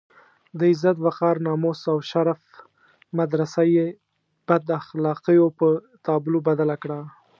د عزت، وقار، ناموس او شرف مدرسه یې بد اخلاقيو په تابلو بدله کړه.